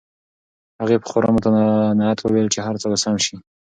هغې په خورا متانت وویل چې هر څه به سم شي.